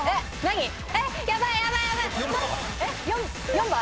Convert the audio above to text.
４番？